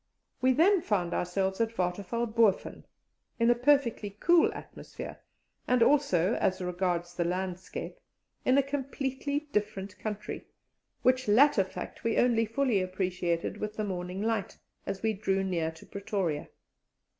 We then found ourselves at Waterfall Boven, in a perfectly cool atmosphere, and also, as regards the landscape, in a completely different country, which latter fact we only fully appreciated with the morning light, as we drew near to Pretoria.